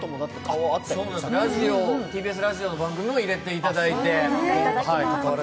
ＴＢＳラジオの番組も入れていただいて。